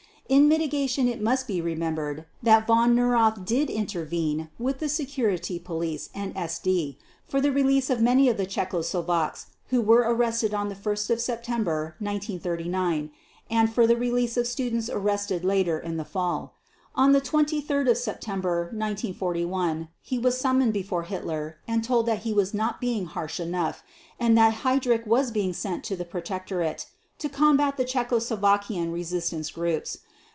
In mitigation it must be remembered that Von Neurath did intervene with the Security Police and SD for the release of many of the Czechoslovaks who were arrested on 1 September 1939, and for the release of students arrested later in the fall. On 23 September 1941 he was summoned before Hitler and told that he was not being harsh enough and that Heydrich was being sent to the Protectorate to combat the Czechoslovakian resistance groups.